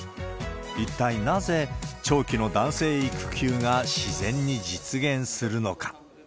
一体なぜ長期の男性育休が自然に実現するのか。